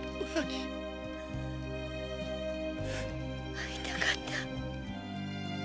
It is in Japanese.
会いたかった！